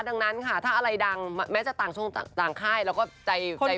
ดังนั้นค่ะถ้าอะไรดังแม้จะต่างช่วงต่างค่ายเราก็ใจ